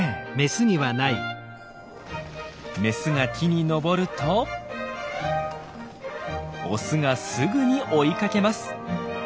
メスが木に登るとオスがすぐに追いかけます。